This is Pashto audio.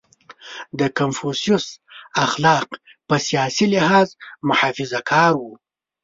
• د کنفوسیوس اخلاق په سیاسي لحاظ محافظهکار وو.